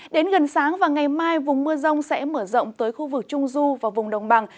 đến gần sáng và ngày mai vùng mưa rông sẽ mở rộng tới khu vực trung du và vùng đồng bằng